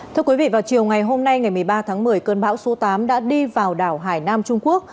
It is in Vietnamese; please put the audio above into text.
thưa quý vị vào chiều ngày hôm nay ngày một mươi ba tháng một mươi cơn bão số tám đã đi vào đảo hải nam trung quốc